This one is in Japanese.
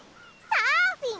サーフィン？